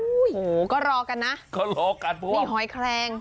โอ้โหก็รอกันนะนี่หอยแคลง